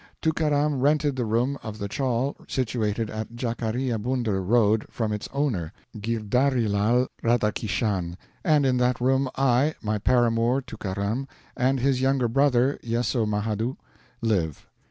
Tookaram rented the room of the chawl situated at Jakaria Bunder road from its owner, Girdharilal Radhakishan, and in that room I, my paramour, Tookaram, and his younger brother, Yesso Mahadhoo, live.